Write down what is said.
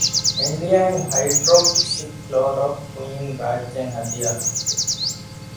އިންޑިއާއިން ހައިޑްރޮކްސިކްލޮރޮކުއިން ރާއްޖެއަށް ހަދިޔާކޮށްފި